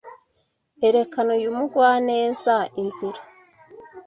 Erekana uyu mugwaneza inzira.